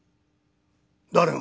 「誰が？」。